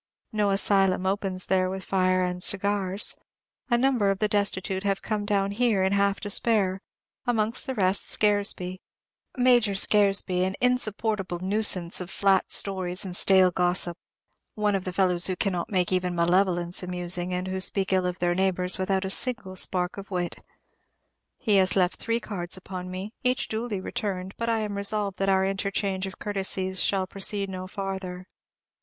No asylum opens there with fire and cigars. A number of the destitute have come down here in half despair, amongst the rest Scaresby, Major Scaresby, an insupportable nuisance of flat stories and stale gossip; one of those fellows who cannot make even malevolence amusing, and who speak ill of their neighbors without a single spark of wit. He has left three cards upon me, each duly returned; but I am resolved that our inter change of courtesies shall proceed no farther.